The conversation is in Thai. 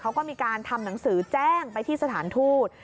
เขาก็มีการทำหนังสือแจ้งไปที่สถานทูต